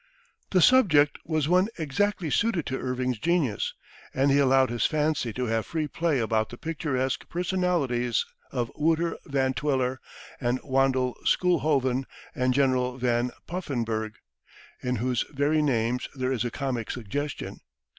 The subject was one exactly suited to Irving's genius, and he allowed his fancy to have free play about the picturesque personalities of Wouter Van Twiller, and Wandle Schoonhovon, and General Van Poffenburgh, in whose very names there is a comic suggestion.